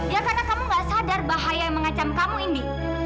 ya karena kamu gak sadar bahaya yang mengancam kamu ini